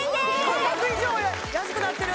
半額以上安くなってる！